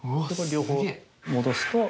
両方戻すと。